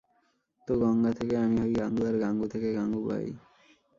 তো গঙা থেকে আমি হই গাঙু, আর গাঙু থেকে গাঙুবাই।